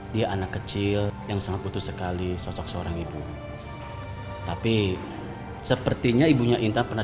dia anak kecil yang sangat butuh sekali sosok seorang ibu tapi sepertinya ibunya intan pernah